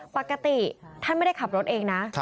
ปกติท่านไม่ได้ขับรถเองนะ